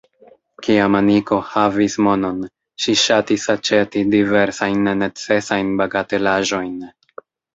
Kiam Aniko havis monon ŝi ŝatis aĉeti diversajn nenecesajn bagatelaĵojn.